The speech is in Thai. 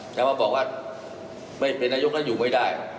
อยากมาบอกว่าเป็นนายกท่านอยู่ไม่ได้